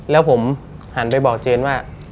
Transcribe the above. แล้วผมหันไปบอกเจนว่า